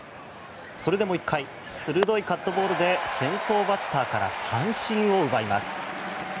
それでも１回鋭いカットボールで先頭バッターから三振を奪います。